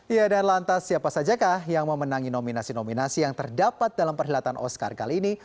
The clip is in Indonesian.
ya dan lantas siapa saja kah yang memenangi nominasi nominasi yang terdapat dalam perkhidmatan oscar kali ini